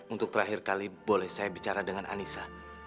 untuk terakhir kali boleh saya bicara dengan anissa